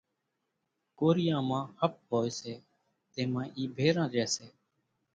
ڪوريان مان ۿپ هوئيَ سي تيمان اِي ڀيران ريئيَ سي۔